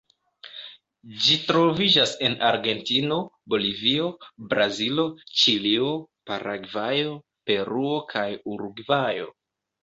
Ĝi troviĝas en Argentino, Bolivio, Brazilo, Ĉilio, Paragvajo, Peruo kaj Urugvajo.